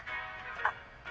あっ。